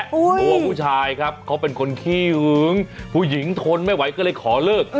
ตัวผู้ชายครับเขาเป็นคนขี้หึงผู้หญิงทนไม่ไหวก็เลยขอเลิก